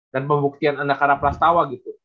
dan pembuktian anda karena pras tawa gitu